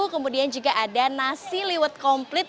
kemudian juga ada nasi liwet komplit